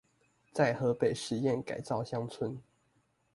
在河北實驗改造鄉村